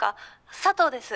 佐藤です。